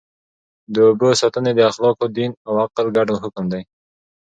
د اوبو ساتنه د اخلاقو، دین او عقل ګډ حکم دی.